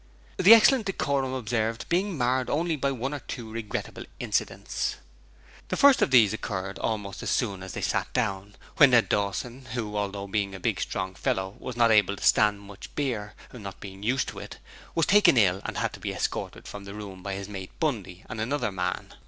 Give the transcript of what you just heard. The excellent decorum observed being marred only by one or two regrettable incidents. The first of these occurred almost as soon as they sat down, when Ned Dawson who, although a big strong fellow, was not able to stand much beer, not being used to it, was taken ill and had to be escorted from the room by his mate Bundy and another man.